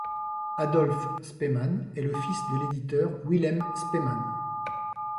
Adolf Spemann est le fils de l'éditeur Wilhelm Spemann.